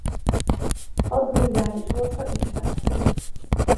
Addu-nirári sorsa ismeretlen.